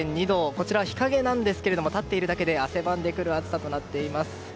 こちら日陰なんですけども立っているだけで汗ばんでくる暑さとなっています。